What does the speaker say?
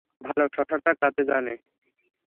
ভালো, শসাটা কারাতে জানে।